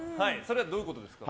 どういうことですか？